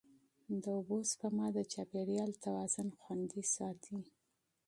د اوبو سپما د چاپېریال توازن خوندي ساتي.